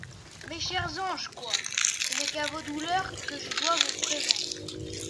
Mes chers anges, quoi ! ce n'est qu'à vos douleurs que je dois votre présence.